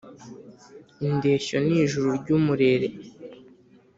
Indeshyo ni ijuru ry'umurere,